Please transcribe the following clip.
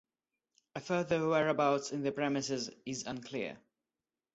A further whereabouts in the premises is unclear.